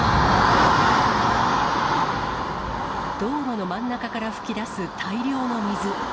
道路の真ん中から噴き出す大量の水。